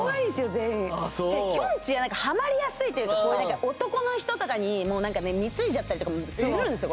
全員きょんちぃハマりやすいというか男の人とかに貢いじゃったりとかもするんですよ